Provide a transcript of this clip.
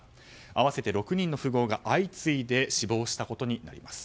合わせて６人の富豪が相次いで死亡したことになります。